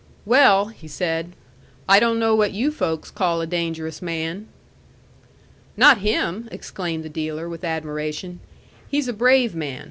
"Well," he said, "I don't know what you folks call a dangerous man." "Not him!" exclaimed the dealer with admiration. "He's a brave man.